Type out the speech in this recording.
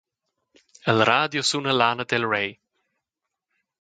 El radio suna Lana del Rey.